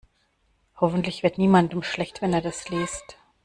Hoffentlich wird niemandem schlecht, wenn er das liest.